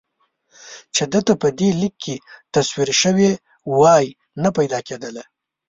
چې ده ته په دې لیک کې تصویر شوې وای نه پیدا کېدله.